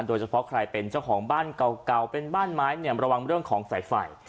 โดยเฉพาะใครเป็นเจ้าของบ้านเก่าเป็นบ้านไม้เนี่ยระวังเรื่องของสายไฟ